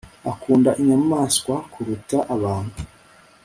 akunda inyamaswa kuruta abantu